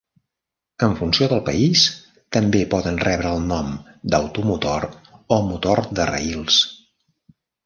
En funció del país, també poden rebre el nom d'automotor o motor de raïls.